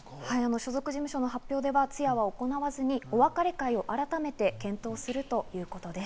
所属事務所の発表では通夜は行わず、お別れ会をあらためて検討するということです。